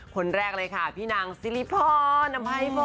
คนแรกเลยค่ะพี่นางซิริพอร์น้ำไพ่โบ